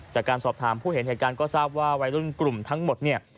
จากการสอบถามผู้เห็นเหตุการณ์ก็ทราบว่าวัยรุ่นกลุ่มทั้งหมดเนี่ย